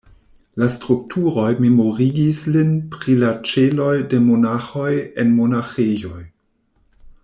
La strukturoj memorigis lin pri la ĉeloj de monaĥoj en monaĥejoj.